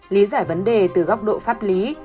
lý giải vấn đề từ góc độ pháp lý